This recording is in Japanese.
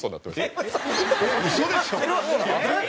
嘘でしょ？